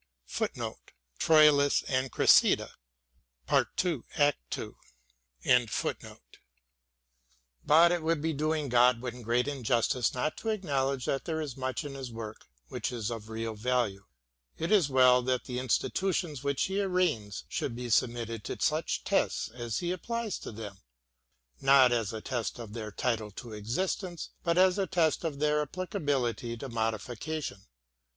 t •" King Henry IV." (Part I.), v. i. f " Troilus and Cressida," ii. 2. 90 WILLIAM GODWIN AND But it would be doing Godwin great injustice not to acknowledge that there is much in his work which is of real value. It is well that the institu tions which he arraigns should be submitted to such tests as he applies to them, not as a test of their title to existence, but as a test of their applicability to modification.